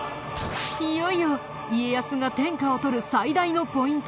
いよいよ家康が天下を取る最大のポイント